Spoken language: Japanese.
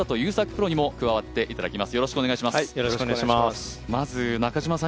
プロにも加わっていただきます。